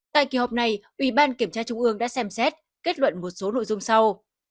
tại kỳ họp này ủy ban kiểm tra trung ương đã xem xét kết luận một số nội dung sau